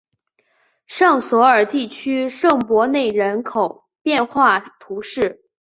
尚索尔地区圣博内人口变化图示